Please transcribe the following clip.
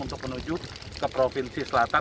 untuk menuju ke provinsi selatan